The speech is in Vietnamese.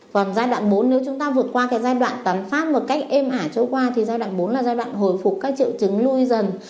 còn giai đoạn bốn nếu chúng ta vượt qua cái giai đoạn tắm phát một cách êm ả châu qua thì giai đoạn bốn là giai đoạn hồi phục các triệu chứng lui dần